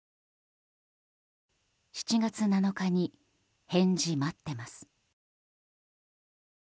７月７日に返事待ってます。